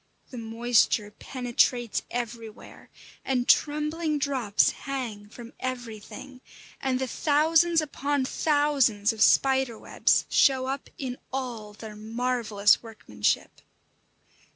The moisture penetrates everywhere, and trembling drops hang from everything; and the thousands upon thousands of spiders' webs show up in all their marvellous workmanship.